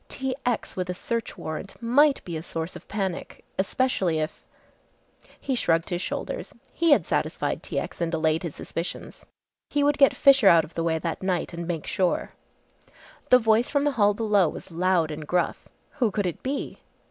T. X. with a search warrant might be a source of panic especially if he shrugged his shoulders. He had satisfied T. X. and allayed his suspicions. He would get Fisher out of the way that night and make sure. The voice from the hall below was loud and gruff. Who could it be!